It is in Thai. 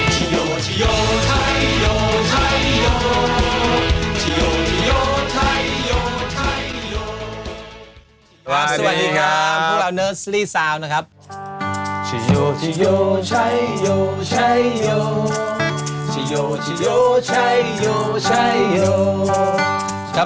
สวัสดีครับพวกเราเนิดซีรีส์ซาวน์นะครับ